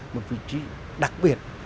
một vị trí đặc biệt